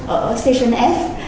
ở station f